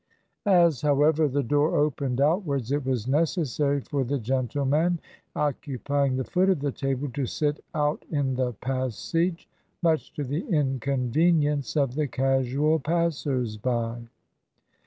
As, however, the door opened outwards, it was necessary for the gentleman occupying the foot of the table to sit out in the passage, much to the inconvenience of the casual passers by.